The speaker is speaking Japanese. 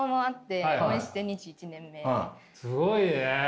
すごいね。